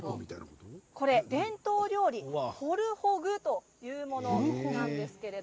伝統料理なんですがホルホグというものなんです。